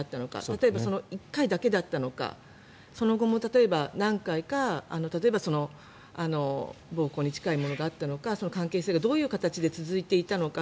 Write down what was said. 例えば１回だけだったのかその後も、例えば何回か例えば暴行に近いものがあったのかその関係性がどういう形で続いていたのか。